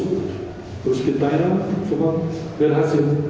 terus kita yang super berhasil